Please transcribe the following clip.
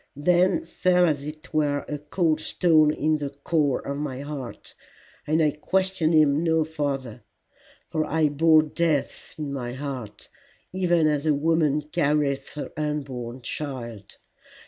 Then fell as it were a cold stone into the core of my heart, and I questioned him no farther, for I bore death in my heart, even as a woman carrieth her unborn child.